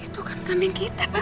itu kan aneh kita pak